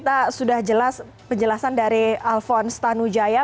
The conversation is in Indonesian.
namun ini sudah jelas penjelasan dari alfonstan u jaya